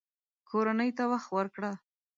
کورنۍ ته وخت ورکړه